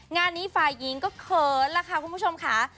งานนี้ฝ่ายหญิงก็เขินแล้วค่ะคุณผู้ชมค่ะ